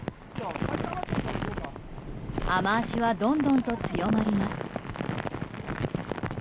雨脚はどんどんと強まります。